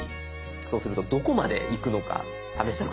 そうするとどこまでいくのか試して。